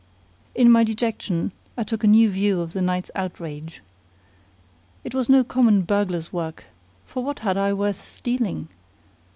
In my dejection I took a new view of the night's outrage. It was no common burglar's work, for what had I worth stealing?